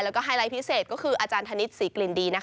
แล้วก็ไฮไลท์พิเศษก็คืออาจารย์ธนิษฐศรีกลิ่นดี